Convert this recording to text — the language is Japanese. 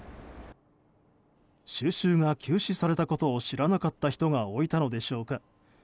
収集が休止されたことを知らなかった人が置いたのでしょうか。